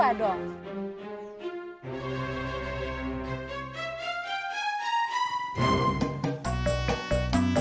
agung ya rab